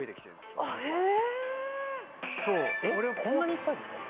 こんなにいっぱいですか？